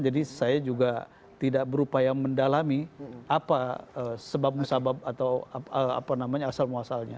jadi saya juga tidak berupaya mendalami apa sebab musabab atau apa namanya asal muasalnya